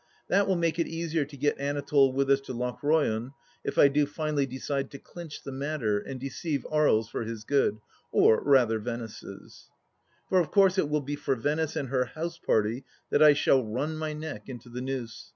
That will make it easier to get Anatole with us to Lochroyan, if I do finally decide to clinch the matter and deceive Aries for his good — or rather Venice's. For of course it will be for Venice and her house party that I shall run my neck into the noose.